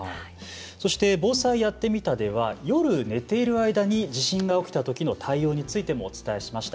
そして「防災やってみた」では夜、寝ている間に地震が起きた時の対応についてもお伝えしました。